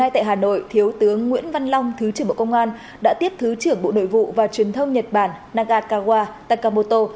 tại hà nội thiếu tướng nguyễn văn long thứ trưởng bộ công an đã tiếp thứ trưởng bộ nội vụ và truyền thông nhật bản naga kawa takamoto